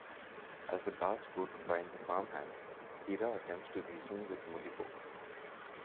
As the guards go to find the farmhands, Kira attempts to reason with Mullibok.